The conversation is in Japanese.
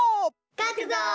かくぞ！